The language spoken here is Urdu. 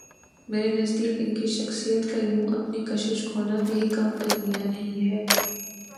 میرے نزدیک ان کی شخصیت کا یوں اپنی کشش کھونا بھی کم المیہ نہیں ہے۔